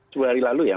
dua hari lalu ya